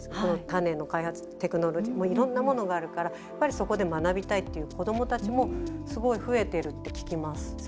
種の開発、テクノロジーいろんなものがあるからそこで学びたいっていう子どもたちもすごい増えているって聞きます。